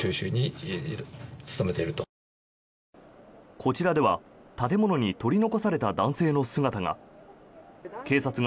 こちらでは建物に取り残された男性の姿が。